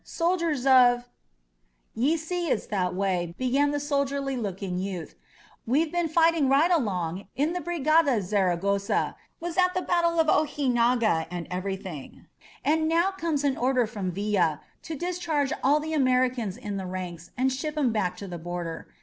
"Soldiers of !" "Ye see it's this way," began the soldierly looking youth. "We've been fighting right along in the Bri gada Zaragosa — ^was at the battle of Ojinaga and everything. And now comes an order from Villa to discharge all the Americans in the ranks and ship 'em back to the border.